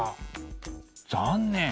残念。